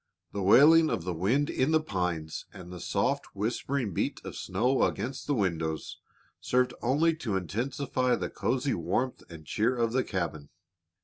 The wailing of the wind in the pines and the soft, whispering beat of snow against the windows served only to intensify the cozy warmth and cheer of the cabin.